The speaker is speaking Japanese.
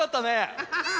アハハッ！